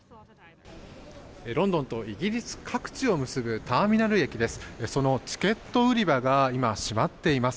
ロンドンとイギリス各地を結ぶターミナル駅です。